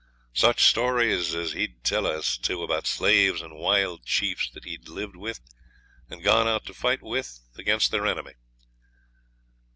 Such stories as he'd tell us, too, about slaves and wild chiefs that he'd lived with and gone out to fight with against their enemy.